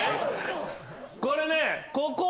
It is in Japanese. これね。